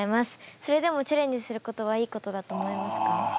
それでもチャレンジすることはいいことだと思いますか？